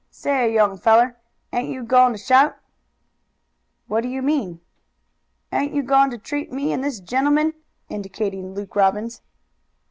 "Say, young feller, ain't you goin' to shout?" "What do you mean?" "Ain't you goin' to treat me and this gentleman?" indicating Luke Robbins.